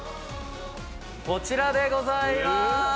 こちらでございます。